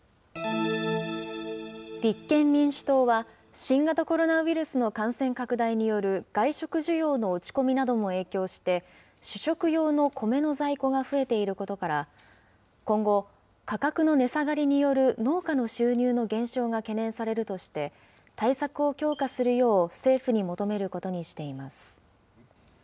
立憲民主党は新型コロナウイルスの感染拡大による外食需要の落ち込みなども影響して、主食用のコメの在庫が増えていることから、今後、価格の値下がりによる農家の収入の減少が懸念されるとして、対策を強化するよう、政府に求めることにしています。